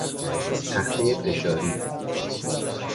تختهی فشاری